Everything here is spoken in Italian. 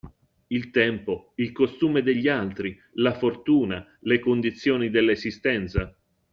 Il tempo, il costume degli altri, la fortuna, le condizioni dell'esistenza.